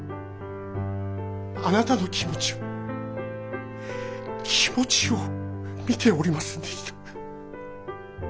あなたの気持ちを気持ちを見ておりませんでした。